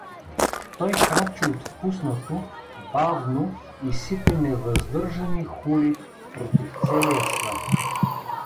Той крачи отпуснато, бавно и сипе невъздържани хули против целия свят.